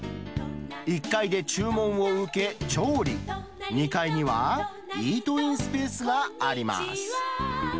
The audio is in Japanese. １階で注文を受け、調理、２階にはイートインスペースがあります。